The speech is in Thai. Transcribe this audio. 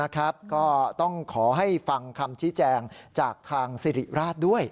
ก็ต้องขอให้ฟังคำชี้แจงจากทางสิริราชด้วย